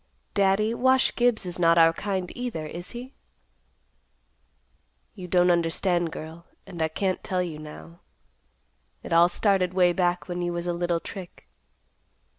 Daddy, Wash Gibbs is not our kind either, is he?" "You don't understand, girl, and I can't tell you now. It all started way back when you was a little trick."